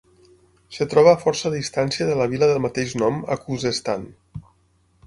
Es troba a força distància de la vila del mateix nom a Khuzestan.